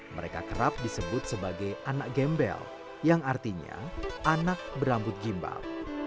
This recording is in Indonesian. mereka kerap disebut sebagai anak gembel yang artinya anak berambut gimbal